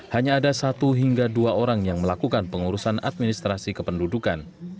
hanya ada satu hingga dua orang yang melakukan pengurusan administrasi kependudukan